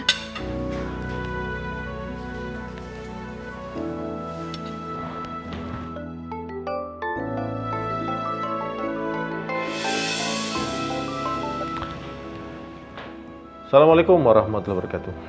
assalamualaikum warahmatullahi wabarakatuh